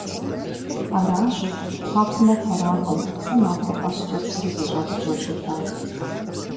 Аращ, ахъумэ фэракъым, сэ махуэ къэскӀэ псы зыщӀэскӀэу щытар.